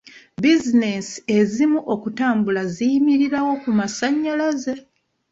Bizinesi ezimu okutambula ziyimirirawo ku masanyalaze.